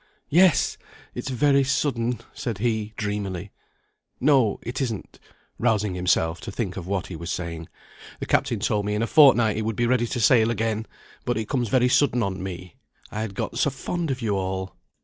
"Yes! it's very sudden," said he, dreamily. "No, it isn't;" rousing himself, to think of what he was saying. "The captain told me in a fortnight he would be ready to sail again; but it comes very sudden on me, I had got so fond of you all."